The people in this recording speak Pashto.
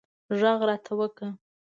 غږ راته وکړه